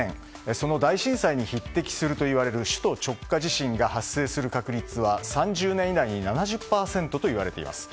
その大震災に匹敵するとされる首都直下地震が発生する確率は３０年以内に７０％といわれています。